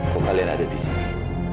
kau kalian ada disini